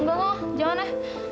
enggak enggak jangan lah